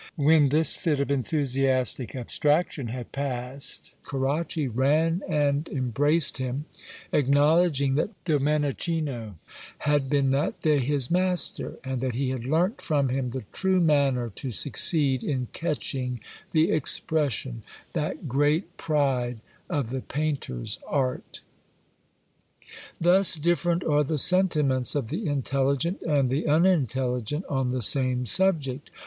When this fit of enthusiastic abstraction had passed, Carracci ran and embraced him, acknowledging that Domenichino had been that day his master; and that he had learnt from him the true manner to succeed in catching the expression that great pride of the painter's art. Thus different are the sentiments of the intelligent and the unintelligent on the same subject.